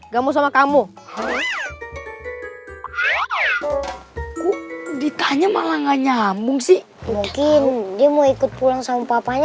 kamu sama kamu ditanya malah nggak nyambung sih mungkin dia mau ikut pulang sama papanya